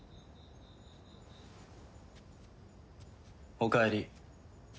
おかえり。